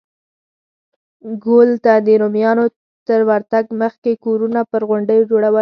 ګول ته د رومیانو تر ورتګ مخکې کورونه پر غونډیو جوړول